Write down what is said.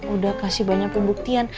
udah kasih banyak pembuktian